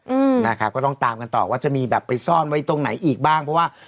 อืมนะครับก็ต้องตามกันต่อว่าจะมีแบบไปซ่อนไว้ตรงไหนอีกบ้างเพราะว่า